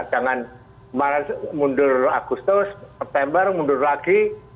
jangan kemarin mundur agustus september mundur lagi